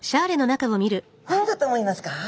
何だと思いますか？